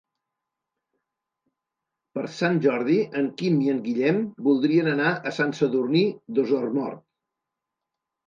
Per Sant Jordi en Quim i en Guillem voldrien anar a Sant Sadurní d'Osormort.